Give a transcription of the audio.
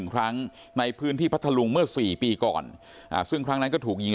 ๑ครั้งในพื้นที่พัทธลุงเมื่อ๔ปีก่อนซึ่งครั้งนั้นก็ถูกยิง